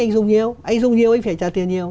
anh dùng nhiều anh dùng nhiều anh phải trả tiền nhiều